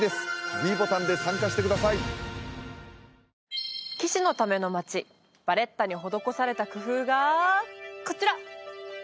ｄボタンで参加してください騎士のための街ヴァレッタに施された工夫がこちら！